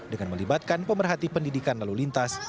dengan melibatkan pemerhati pendidikan lalu lintas